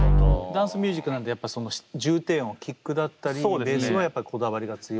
ダンスミュージックなのでやっぱり重低音キックだったりベースはやっぱこだわりが強い？